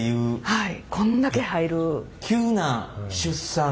はい。